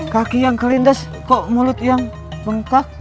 kaki yang kelindas kok mulut yang bengkak